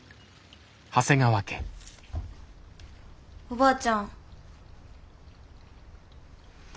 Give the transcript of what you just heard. おばあちゃん。